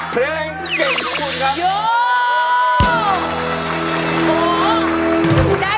เพลงเก่งของคุณครับ